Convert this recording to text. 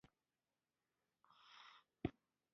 نیکه تل خپلو ماشومانو ته د ژوند تر ټولو مهم درسونه ورکوي.